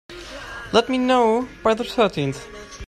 Let me know by the thirteenth.